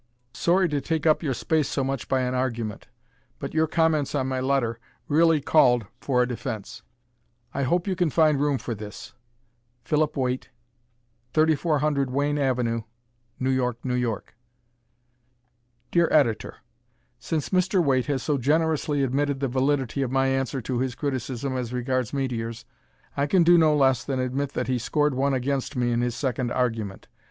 Sorry to take up your space so much by an argument, but your comments on my letter really called for a defense. Hope you can find room for this. Philip Waite, 3400 Wayne Ave, New Your, N. Y. Dear Editor: Since Mr. Waite has so generously admitted the validity of my answer to his criticism as regards meteors, I can do no less than admit that he scored one against me in his second argument.